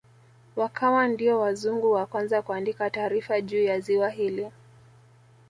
Wakawa ndio wazungu wa kwanza kuandika taarifa juu ya ziwa hili